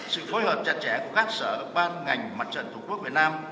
sự phối hợp chặt chẽ của các sở ban ngành mặt trận thủ quốc việt nam